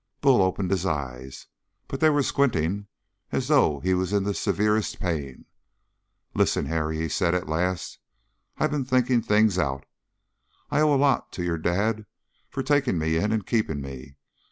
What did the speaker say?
Bull opened his eyes, but they were squinting as though he was in the severest pain. "Listen, Harry," he said at last. "I been thinking things out. I owe a lot to your dad for taking me in and keeping me.